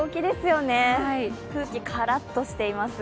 空気カラッとしています。